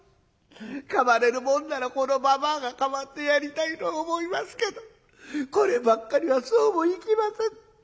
代われるもんならこのばばあが代わってやりたいと思いますけどこればっかりはそうもいきません。